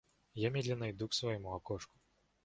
Я медленно иду к своему окошку.